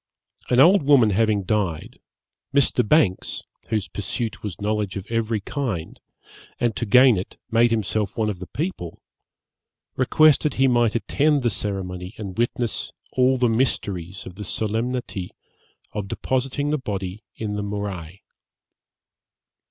An old woman having died, Mr. Banks, whose pursuit was knowledge of every kind, and to gain it made himself one of the people, requested he might attend the ceremony and witness all the mysteries of the solemnity of depositing the body in the morai.